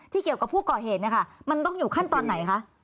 เกี่ยวกับผู้ก่อเหตุเนี่ยค่ะมันต้องอยู่ขั้นตอนไหนคะ